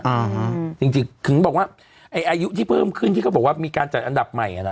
อ่าจริงจริงถึงบอกว่าไอ้อายุที่เพิ่มขึ้นที่เขาบอกว่ามีการจัดอันดับใหม่อ่ะนะ